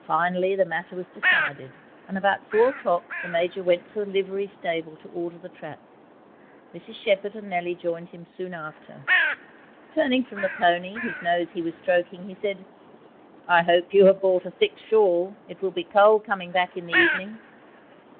Finally the matter was decided, and about four o'clock the Major went to the livery stable to order the trap. Mrs Shepherd and Nellie joined him soon after. Turning from the pony, whose nose he was stroking, he said 'I hope you have brought a thick shawl; it will be cold coming back in the evening.'